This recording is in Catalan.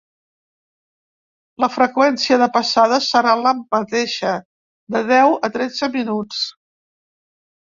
La freqüència de passada serà la mateixa: de deu a tretze minuts.